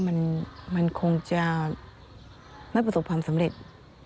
มันคงจะไม่ประสบความสำเร็จ